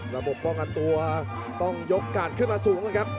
ระบบป้องกันตัวต้องยกกาดขึ้นมาสูงนะครับ